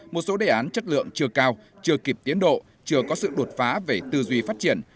một số đề án chất lượng chưa cao chưa kịp tiến độ chưa có sự đột phá về tư duy phát triển